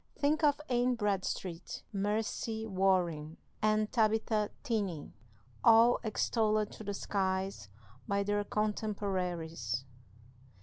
Think of Anne Bradstreet, Mercy Warren, and Tabitha Tenney, all extolled to the skies by their contemporaries.